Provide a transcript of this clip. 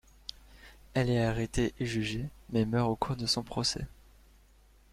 Elle est arrêtée et jugée mais meurt au cours de son procès.